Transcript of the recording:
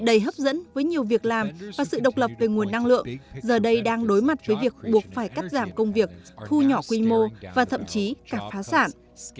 đầy hấp dẫn với nhiều việc làm và sự độc lập về nguồn năng lượng giờ đây đang đối mặt với việc buộc phải cắt giảm công việc thu nhỏ quy mô và thậm chí cả phá sản